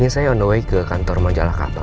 saya segera ke kantor sekarang